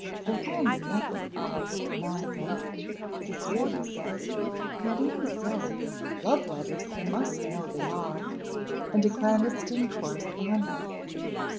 There can be nothing, however, but nonsense, Cecilia says; yet even so, love letters he must know they are, and a clandestine correspondence.